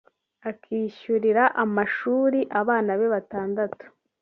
akishyurira amashuri abana be batandatu